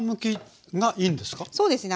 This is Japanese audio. そうですね。